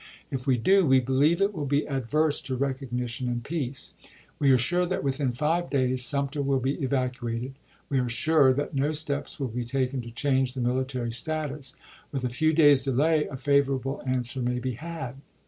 If we do, we believe it will be adverse to recognition and peace. We are sure that within five days Sumter will be evacuated. We are sure that no steps will be taken to change the military status. With a few days' delay a favorable answer may be had.